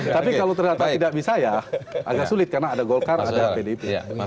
tapi kalau ternyata tidak bisa ya agak sulit karena ada golkar ada pdip